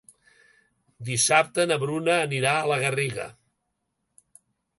Dissabte na Bruna anirà a la Garriga.